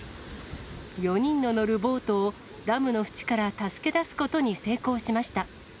４人の乗るボートを、ダムの縁から助け出すことに成功しました。